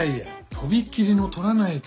とびっきりの撮らないと。